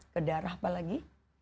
ke darah apalagi